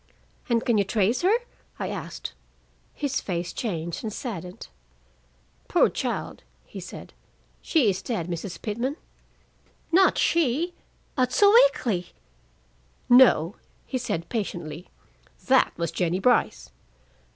"And can you trace her?" I asked. His face changed and saddened. "Poor child!" he said. "She is dead, Mrs. Pitman!" "Not she at Sewickley!" "No," he said patiently. "That was Jennie Brice."